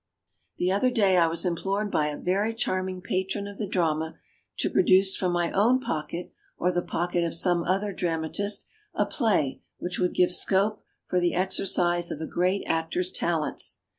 The other day I was implored by a very charming patron of the drama to produce from my own pocket or the pocket of some other dramatist a play which would give scope for the exer cise of a great actor^s talents.